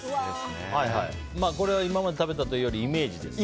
今まで食べたというよりイメージですか。